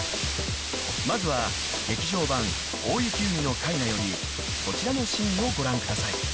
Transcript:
［まずは劇場版『大雪海のカイナ』よりこちらのシーンをご覧ください］